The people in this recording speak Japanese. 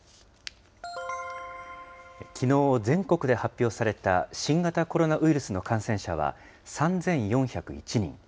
きのう、全国で発表された新型コロナウイルスの感染者は、３４０１人。